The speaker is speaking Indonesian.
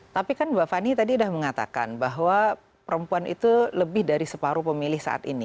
tapi kan mbak fani tadi sudah mengatakan bahwa perempuan itu lebih dari separuh pemilih saat ini